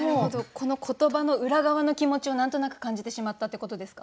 この言葉の裏側の気持ちを何となく感じてしまったってことですか？